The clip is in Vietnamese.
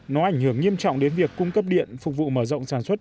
nó ảnh hưởng nghiêm trọng đến việc cung cấp điện phục vụ mở rộng sản xuất